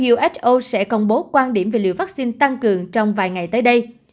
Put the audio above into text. who sẽ công bố quan điểm về liệu vaccine tăng cường trong vài ngày tới đây